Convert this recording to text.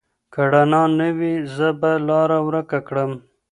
که رڼا نه وي، زه به لاره ورکه کړم.